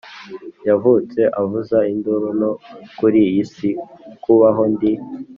yavutse avuza induru nto kuriyi si kubaho ndi.